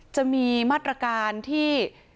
จะมีมาตรการที่